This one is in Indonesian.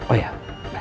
oh ya baik